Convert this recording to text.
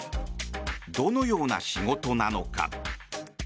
どのような仕事なのか。